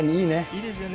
いいですよね。